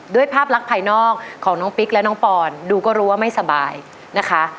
ภาพลักษณ์ภายนอกของน้องปิ๊กและน้องปอนดูก็รู้ว่าไม่สบายนะคะ